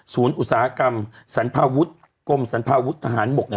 ศูนย์อุตสาหกรรมสันพาวุฒิกรมสันพาวุฒิทหารหมกเนี่ย